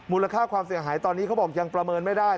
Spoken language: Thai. ค่าความเสียหายตอนนี้เขาบอกยังประเมินไม่ได้